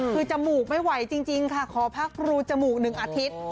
คือจมูกไม่ไหวจริงค่ะขอพักรูจมูก๑อาทิตย์